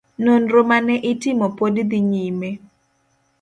Nonro mane itimo pod dhi nyime.